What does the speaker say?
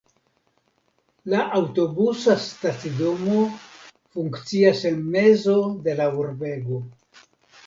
La aŭtobusa stacidomo funkcias en mezo de la urbego.